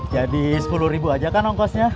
jadi sepuluh ribu aja kan ongkosnya